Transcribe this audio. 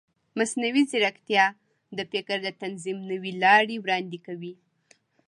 مصنوعي ځیرکتیا د فکر د تنظیم نوې لارې وړاندې کوي.